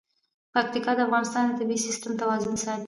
پکتیا د افغانستان د طبعي سیسټم توازن ساتي.